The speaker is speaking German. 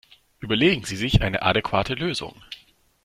Überlegen Sie sich eine adäquate Lösung!